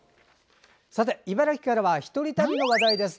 茨城からは１人旅の話題です。